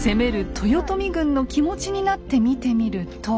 豊臣軍の気持ちになって見てみると。